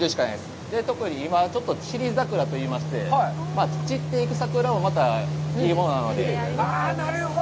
特に今、散り桜と言いまして、散っていく桜もまたいいものなので、ああ、なるほど。